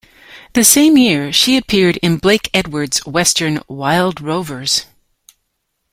The same year she appeared in Blake Edwards' western "Wild Rovers".